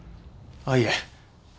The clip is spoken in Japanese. あっいえ。